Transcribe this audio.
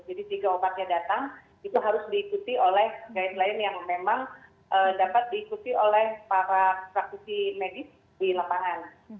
jadi jika obatnya datang itu harus diikuti oleh guideline yang memang dapat diikuti oleh para praktisi medis di lembangan